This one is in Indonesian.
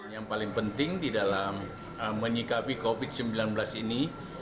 yang paling penting di dalam menyikapi covid sembilan belas ini